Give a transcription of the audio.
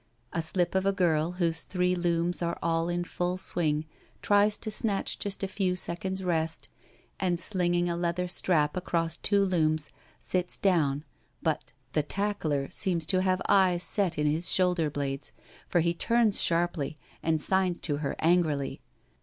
A slip of a girl whose three looms are all in full swing tries to snatch just a few seconds rest, and slinging a leather strap across two looms, sits down, but the " tackier " seems to have eyes set in his shoulder blades, for he turns sharply and signs to her angrily.